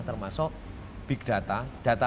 termasuk big data data